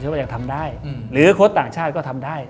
ว่ายังทำได้หรือโค้ชต่างชาติก็ทำได้